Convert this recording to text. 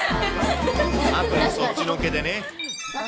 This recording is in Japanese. そっちのけでね。